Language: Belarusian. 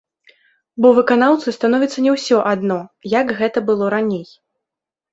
Бо выканаўцу становіцца не ўсё адно, як гэта было раней.